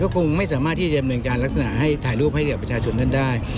คงไม่สามารถที่จะดำเนินการลักษณะให้ถ่ายรูปให้กับประชาชนท่านได้